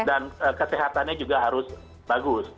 dan kesehatannya juga harus bagus